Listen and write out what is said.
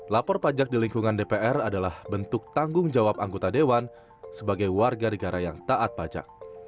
lapor pajak di lingkungan dpr adalah bentuk tanggung jawab anggota dewan sebagai warga negara yang taat pajak